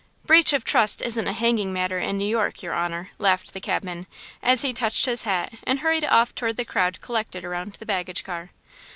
"Breach of trust isn't a hanging matter in New York, your honor," laughed the cabman, as he touched his hat and hurried off toward the crowd collected around the baggage car.